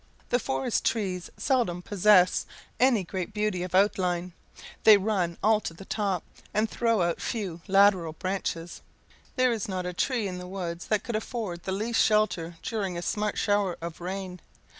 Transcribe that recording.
The forest trees seldom possess any great beauty of outline; they run all to top, and throw out few lateral branches. There is not a tree in the woods that could afford the least shelter during a smart shower of rain.